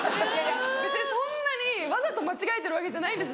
別にそんなに「わざと間違えてるわけじゃないんです。